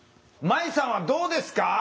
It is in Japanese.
まいさんはどうですか？